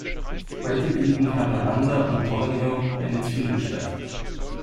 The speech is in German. Heute bilden Haparanda und Tornio eine Zwillingsstadt.